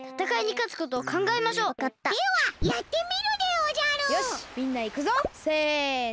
せの！